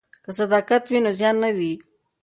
که صداقت وي نو زیان نه وي.